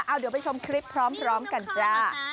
เอาเดี๋ยวไปชมคลิปพร้อมกันจ้า